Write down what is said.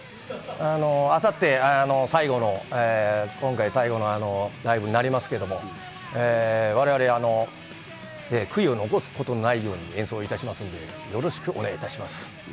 明後日、最後の今回、最後のライブになりますけど、我々、悔いを残すことのないように演奏いたしますので、よろしくお願いいたします。